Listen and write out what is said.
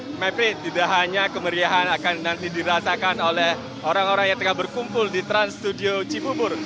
oke mapri tidak hanya kemeriahan akan nanti dirasakan oleh orang orang yang tengah berkumpul di trans studio cibubur